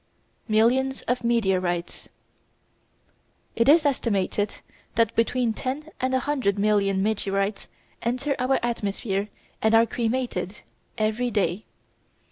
Millions of Meteorites It is estimated that between ten and a hundred million meteorites enter our atmosphere and are cremated, every day.